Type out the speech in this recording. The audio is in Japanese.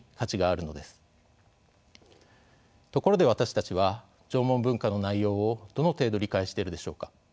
ところで私たちは縄文文化の内容をどの程度理解しているでしょうか？